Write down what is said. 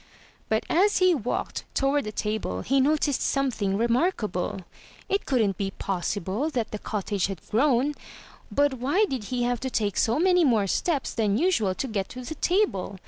But as he walked toward the table, he noticed something remarkable. It couldn't be possible that the cottage had grown. But why did he have to take so many more steps than usual to get to the table?